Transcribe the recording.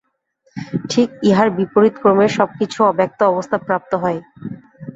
ঠিক ইহার বিপরীতক্রমে সব কিছু অব্যক্ত অবস্থা প্রাপ্ত হয়।